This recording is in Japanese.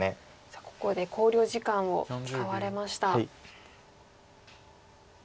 ここで考慮時間を使われました。